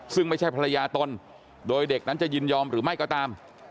ซึ่งไม่ใช่ภรรยาตนโดยเด็กนั้นจะยินยอมหรือไม่ก็ตาม